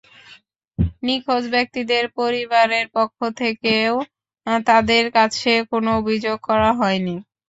নিখোঁজ ব্যক্তিদের পরিবারের পক্ষ থেকেও তাঁদের কাছে কোনো অভিযোগ করা হয়নি।